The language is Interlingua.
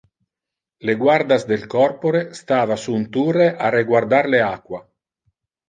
Le guardas del corpore stava sur un turre, a reguardar le aqua.